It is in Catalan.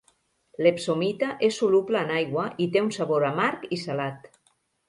L'epsomita és soluble en aigua i té un sabor amarg i salat.